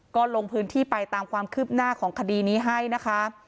ก็ลงพื้นที่ไปตามความคืบหน้าของคดีนี้ให้นะคะ